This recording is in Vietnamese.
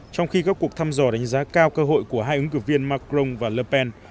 trong khi các cuộc thăm dò đánh giá cao cơ hội của hai ứng cử viên macron và ler pen